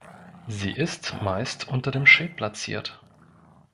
Sie ist meist unter dem Schild platziert.